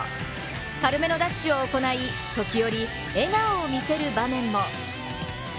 軽めのダッシュを行い、時折笑顔を見せる場面も。